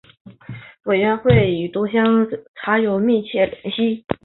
委员会与独立组织香港薪酬趋势调查委员会有密切联系。